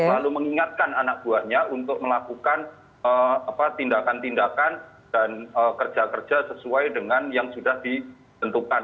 lalu mengingatkan anak buahnya untuk melakukan tindakan tindakan dan kerja kerja sesuai dengan yang sudah ditentukan